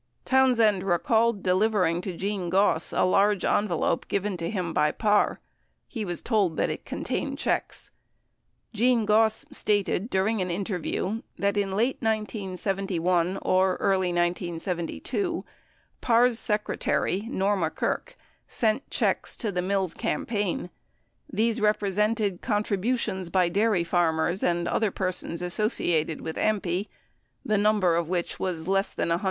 Townsend recalled delivering to Gene Goss a large envelope given to him by Parr. He was told that it contained checks. Gene Goss stated during an interview that in late 1971 or early 1972, Parr's secre tary, Norma Kirk, sent checks to the Mills campaign. These repre sented contributions by dairy farmers and other persons associated with AMPI, the number of which was less than 100.